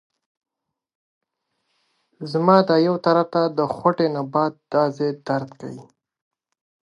زه د خپلو هدفونو لیست جوړوم.